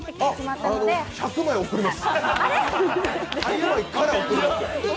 あの１００枚送ります！